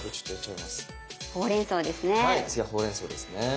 次はほうれんそうですね。